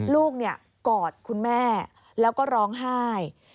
กอดคุณแม่แล้วก็ร้องไห้